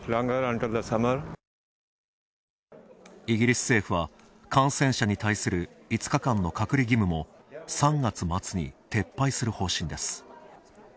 イギリス政府は感染者に対する５日間の隔離義務も３月末に撤廃する方針です。